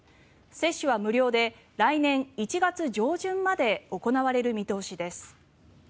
接種は無料で来年１月上旬まで行われる見通しです。